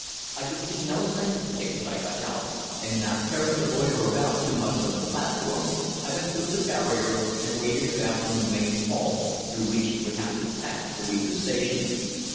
I could see no signs of Kicq as I got out, and not caring to loiter about too much on the platform I went through the barrier and waited about in the main hall, through which he would have to pass to leave the station.